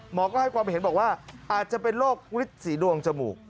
หมอก็ให้ความเห็นบอกว่าอาจจะเป็นโรคฤทธิ์สีดวงจมูก